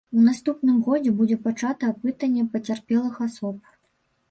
У наступным годзе будзе пачата апытанне пацярпелых асоб.